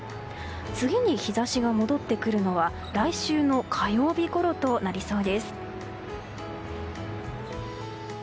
次に日差しが戻ってくるのは来週の火曜日ごろとなりそうです。